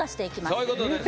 そういうことです